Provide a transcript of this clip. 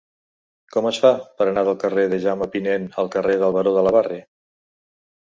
Com es fa per anar del carrer de Jaume Pinent al carrer del Baró de la Barre?